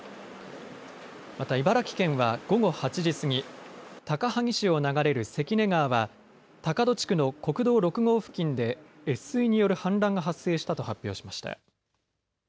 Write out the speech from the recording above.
また茨城県は午後８時過ぎ、高萩市を流れる関根川は高戸地区の国道６号付近で越水による氾濫が発生したと発表しました。